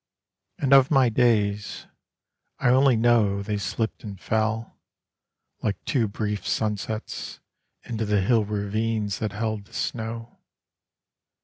And of my days, I only know They slipped and fell, Like too brief sunsets, Into the hill ravines that held the snow.